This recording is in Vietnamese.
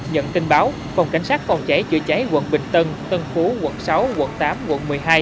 nhận tin báo phòng cháy cháy chữa cháy quận bình tân tân phú quận sáu quận tám quận một mươi hai